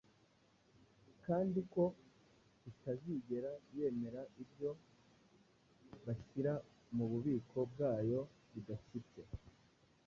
kandi ko itazigera yemera ibyo bashyira mu bubiko bwayo bidashyitse